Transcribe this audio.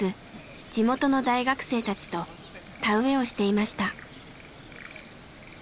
地元の大学生たちと田植えをしていました。